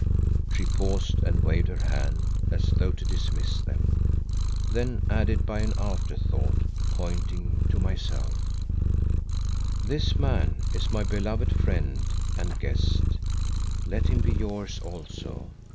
She paused and waved her hand as though to dismiss them, then added by an after thought, pointing to myself "This man is my beloved friend and guest. Let him be yours also.